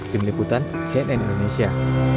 tim liputan cnn indonesia